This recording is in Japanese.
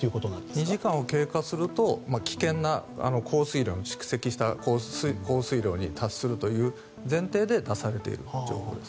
２時間を経過すると危険な蓄積した降水量に達するという前提で出されている状況です。